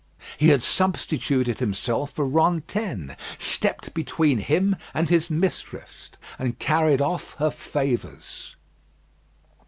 He had substituted himself for Rantaine stepped between him and his mistress, and carried off her favours.